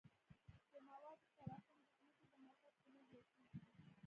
د موادو تراکم د ځمکې د مرکز په لور زیاتیږي